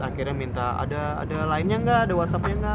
akhirnya minta ada ada line nya enggak ada whatsapp nya enggak